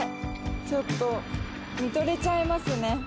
ちょっと見とれちゃいますね。